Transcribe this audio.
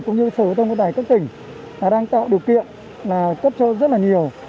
cũng như sở thông các tài các tỉnh đã đang tạo điều kiện là cấp cho rất là nhiều